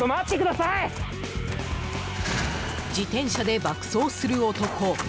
自転車で爆走する男。